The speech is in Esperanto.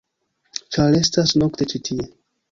ĉar estas nokte ĉi tie-.